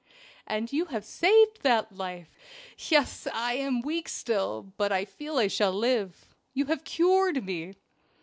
"And you have saved that life. Yes! I am weak still, but I feel I shall live. You have cured me."